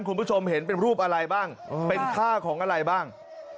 คุณผู้ชมเห็นเป็นรูปอะไรบ้างเป็นท่าของอะไรบ้าง